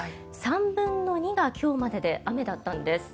３分の２が今日までで雨だったんです。